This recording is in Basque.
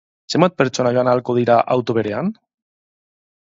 Zenbat pertsona joan ahalko dira auto berean?